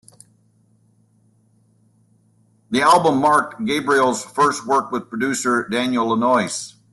The album marked Gabriel's first work with producer Daniel Lanois.